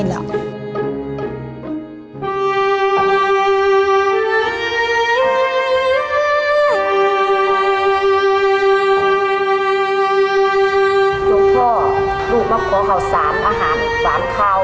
น้องพ่อลูกมาขอเขาสามอาหารสามข้าว